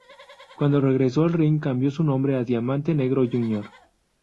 Cuando regresó al ring cambió su nombre a Diamante Negro, Jr.